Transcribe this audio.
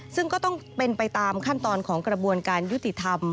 ซึ่งก็ต้องเป็นไปตามขั้นตอนของกระบวนการยุติธรรม